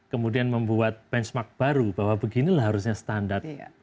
kemudian membuat benchmark baru bahwa beginilah harusnya standar